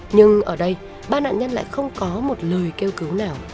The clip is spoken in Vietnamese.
nhưng ở đây ba nạn nhân lại không có một lời kêu cứu nào